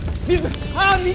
水！